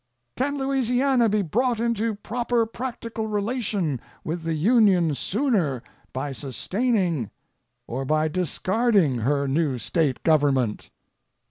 "Can Louisiana be brought into proper practical relation with the Union sooner by sustaining, or by discarding her new State government?"